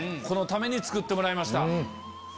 このために作ってもらいました。